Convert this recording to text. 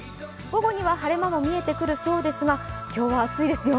午後には晴れ間も見えてくるそうですが、今日は暑いですよ。